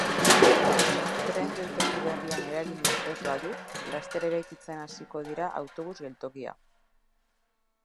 Tren geltoki berrian eraginik ez badu, laster eraikitzen hasiko dira autobus geltokia.